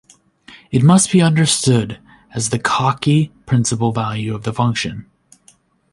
It must be understood as the Cauchy principal value of the function.